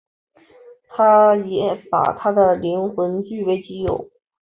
他也把她的灵魂据为己有。